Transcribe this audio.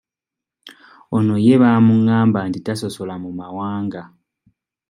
Ono ye bamungamba nti tasosola mu mawanga.